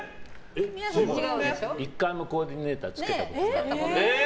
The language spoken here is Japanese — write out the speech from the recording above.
１回もコーディネーターつけたことない。